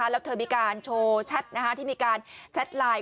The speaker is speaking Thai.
แล้วเธอมีการโชว์แชทที่มีการแชทไลน์